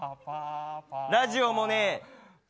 ラジオもねえ。